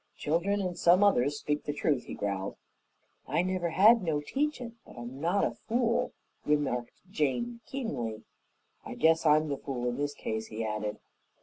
"Children and some others speak the truth," he growled. "I never had no teachin', but I'm not a fool," remarked Jane keenly. "I guess I'm the fool in this case," he added.